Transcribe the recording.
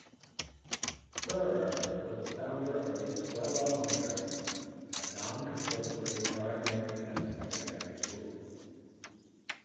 Ferrer was the founder of the Escuela Moderna, a non-compulsory primary and secondary school.